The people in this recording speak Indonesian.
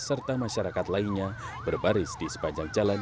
serta masyarakat lainnya berbaris di sepanjang jalan